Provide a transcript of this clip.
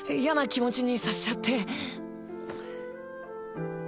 やな気持ちにさせちゃって。